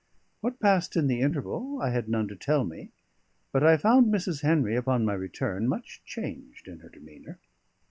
What passed in the interval I had none to tell me, but I found Mrs. Henry, upon my return, much changed in her demeanour.